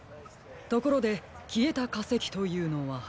ところできえたかせきというのは？